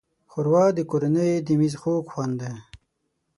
ښوروا د کورنۍ د مېز خوږ خوند دی.